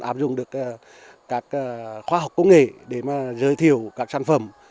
áp dụng được các khoa học công nghệ để giới thiệu các sản phẩm